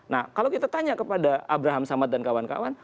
nah kalau kita tanya kepada abraham samad dan kawan kawan